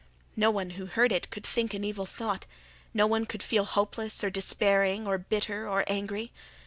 No one who heard it could think an evil thought; no one could feel hopeless or despairing or bitter or angry.